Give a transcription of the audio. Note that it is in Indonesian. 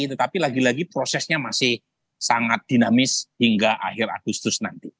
tetapi lagi lagi prosesnya masih sangat dinamis hingga akhir agustus nanti